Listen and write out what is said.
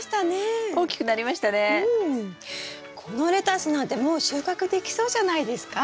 このレタスなんてもう収穫できそうじゃないですか？